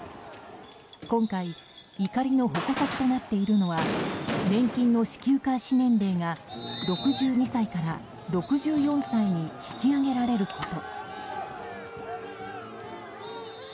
今回怒りの矛先となっているのは年金の支給開始年齢が６２歳から６４歳に引き上げられること。